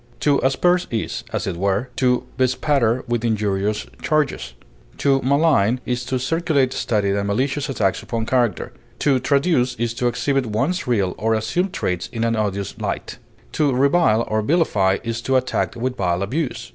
To asperse is, as it were, to bespatter with injurious charges; to malign is to circulate studied and malicious attacks upon character; to traduce is to exhibit one's real or assumed traits in an odious light; to revile or vilify is to attack with vile abuse.